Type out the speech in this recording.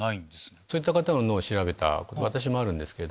そういった方の脳を調べたことあるんですけど。